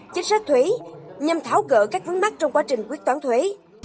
chính sách thuế nhằm tháo gỡ các vướng mắt trong quá trình quyết toán thuế